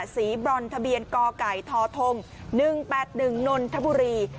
บรอนทะเบียนกไก่ทธ๑๘๑นนทบุรี